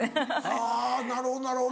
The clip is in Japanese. はぁなるほどなるほど。